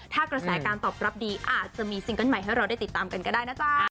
ถ้ากระแสการตอบรับดีอาจจะมีซิงเกิ้ลใหม่ให้เราได้ติดตามกันก็ได้นะจ๊ะ